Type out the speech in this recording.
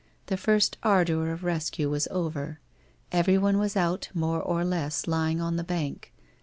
The first ardour of rescue was over. Everyone was out, more or less, lying on tin bank.